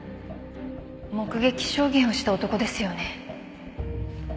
目撃証言をした男ですよね。